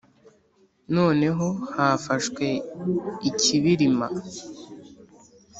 noneho hafashwe ikibirima;